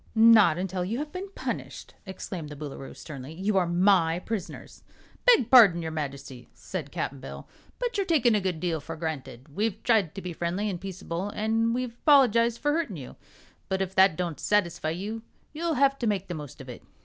"Not until you have been punished!" exclaimed the Boolooroo, sternly. "You are my prisoners." "Beg parding, your Majesty," said Cap'n Bill, "but you're takin' a good deal for granted. We've tried to be friendly an' peaceable, an' we've 'poligized for hurtin' you; but if that don't satisfy you, you'll have to make the most of it.